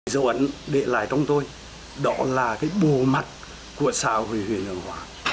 dấu ấn để lại trong tôi đó là cái bồ mặt của sao huy huy lường hòa